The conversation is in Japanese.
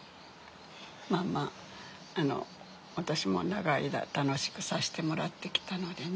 まあまあ私も長い間楽しくさしてもらってきたのでね。